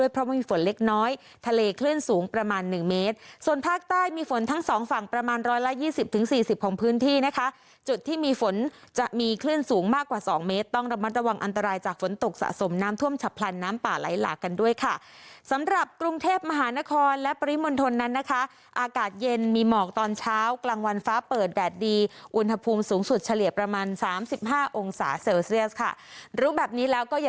พื้นที่นะคะจุดที่มีฝนจะมีเคลื่อนสูงมากกว่า๒เมตรต้องระมัดระวังอันตรายจากฝนตกสะสมน้ำท่วมฉะพลันน้ำป่าไล่หลากกันด้วยค่ะสำหรับกรุงเทพมหานครและปริมณฑลนั้นนะคะอากาศเย็นมีหมอกตอนเช้ากลางวันฟ้าเปิดแดดดีอุณหภูมิสูงสุดเฉลี่ยประมาณ๓๕องศาเซลเซียสค่ะรู้แบบนี้แล้วก็อย